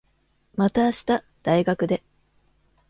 また明日、大学で。